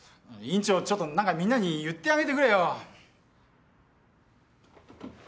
委員長ちょっと何かみんなに言ってあげてくれよ。